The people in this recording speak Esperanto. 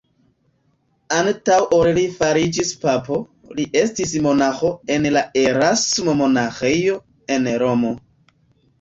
Antaŭ ol li fariĝis papo, li estis monaĥo en la Erasmo-monaĥejo en Romo.